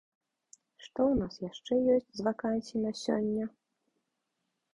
Што ў нас яшчэ ёсць з вакансій на сёння?